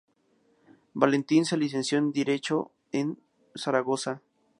Valentín se licenció en Derecho en Zaragoza.